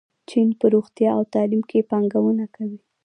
چین په روغتیا او تعلیم کې پانګونه کوي.